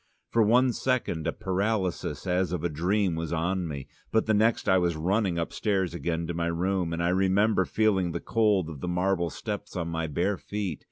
For one second a paralysis as of a dream was on me, but the next I was running upstairs again to my room, and I remember feeling the cold of the marble steps on my bare feet.